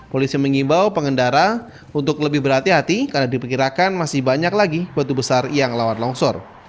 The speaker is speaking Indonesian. polisi mengimbau pengendara untuk lebih berhati hati karena diperkirakan masih banyak lagi batu besar yang lawan longsor